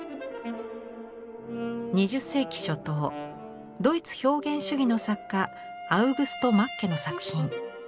２０世紀初頭ドイツ表現主義の作家アウグスト・マッケの作品。